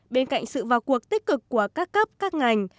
bên cạnh sự vào cuộc tích cực của các cấp các ngành